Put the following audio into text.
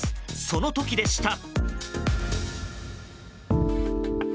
その時でした。